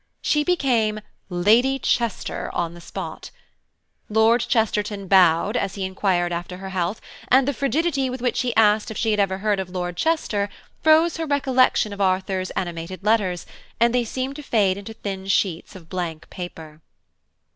She became Lady Chester on the spot. Lord Chesterton almost bowed as he inquired after her health, and the frigidity with which he asked if she ever heard of Lord Chester froze her recollection of Arthur's animated letters, and they seemed to fade into thin sheets of blank paper.